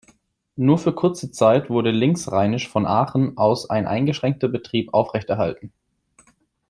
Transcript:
Nur für kurze Zeit wurde linksrheinisch von Aachen aus ein eingeschränkter Betrieb aufrechterhalten.